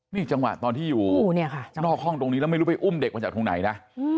นี่จังหวะตอนที่อยู่นอกห้องตรงนี้แล้วไม่รู้ไปอุ้มเด็กมาจากตรงไหนนะ